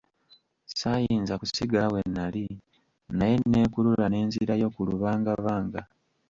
Saayinza kusigala we nali, naye nneekulula ne nzirayo ku lubangabanga.